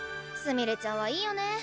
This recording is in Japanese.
すみれちゃんはいいよね。